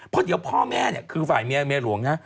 เพราะเดี๋ยวพ่อแม่เนี่ยคือฝ่ายเมียเมียหลวงนะ